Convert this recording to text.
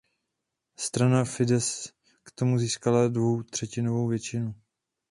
Strana Fidesz k tomuto získala dvoutřetinovou většinu.